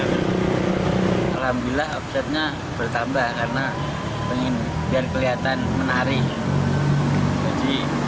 alhamdulillah offsetnya bertambah karena pengen biar kelihatan menarik